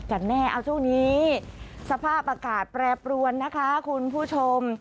กันแน่เอาช่วงนี้สภาพอากาศแปรปรวนนะคะคุณผู้ชม